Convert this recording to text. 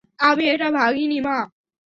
আমি এটা ভাঙিনি, মা।